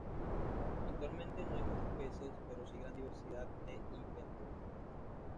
Actualmente no hay muchos peces, pero sí gran diversidad de invertebrados.